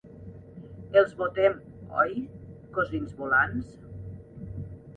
¿els votem, oi, cosins volants?